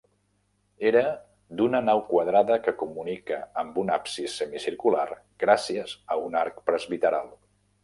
Era d'una nau quadrada que comunica amb un absis semicircular gràcies a un arc presbiteral.